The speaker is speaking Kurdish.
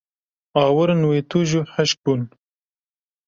Awirên wê tûj û hişk bûn.